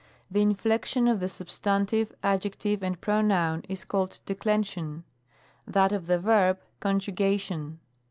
The inflection of the substantive, adjective, and pronoun, is called Declension; that of the verb, Conju gation.